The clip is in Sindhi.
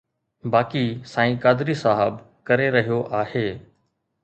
باقي سائين قادري صاحب ڪري رهيو آهي.